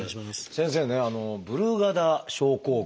先生ね「ブルガダ症候群」